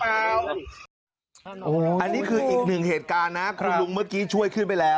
อันนี้คืออีกหนึ่งเหตุการณ์นะคุณลุงเมื่อกี้ช่วยขึ้นไปแล้ว